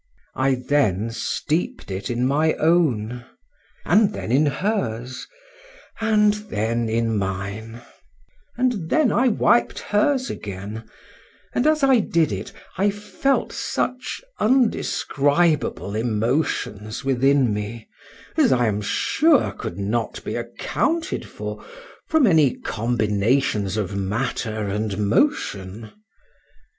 —I then steep'd it in my own,—and then in hers,—and then in mine,—and then I wip'd hers again;—and as I did it, I felt such undescribable emotions within me, as I am sure could not be accounted for from any combinations of matter and motion.